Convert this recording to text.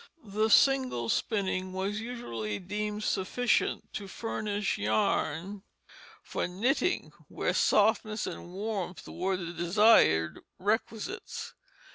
The single spinning was usually deemed sufficient to furnish yarn for knitting, where softness and warmth were the desired requisites.